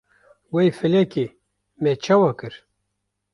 Wey felekê me çawa kir?